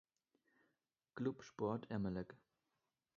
Club Sport Emelec